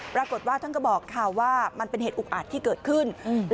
ปรากฏว่าท่านก็บอกค่ะว่ามันเป็นเหตุอุกอาจที่เกิดขึ้น